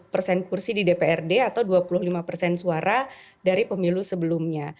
persen kursi di dprd atau dua puluh lima persen suara dari pemilu sebelumnya